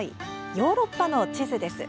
ヨーロッパの地図です。